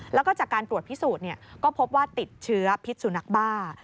แล้วก็จากการตรวจพิสูจน์ก็พบว่าติดเชื้อพิษสุนัขบ้า